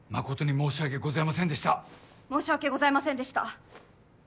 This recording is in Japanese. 申し訳ございませんでした。